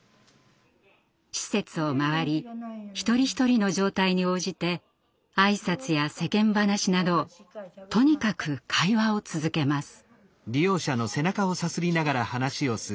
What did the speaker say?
施設を回り一人一人の状態に応じて挨拶や世間話などとにかく会話を続けます。